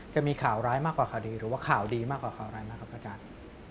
จะมีข่าวร้ายมากกว่าข่าวดีหรือว่าข่าวดีมากกว่าข่าวร้ายมากครับอาจารย์